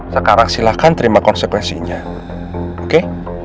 sekarang silahkan terima konsekuensinya oke